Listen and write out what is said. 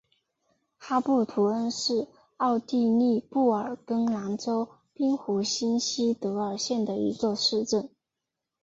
哈布图恩是奥地利布尔根兰州滨湖新锡德尔县的一个市镇。